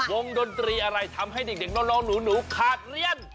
ดนตรีอะไรทำให้เด็กน้องหนูขาดเรียน